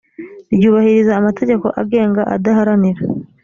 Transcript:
ryubahiriza amategeko agenga adaharanira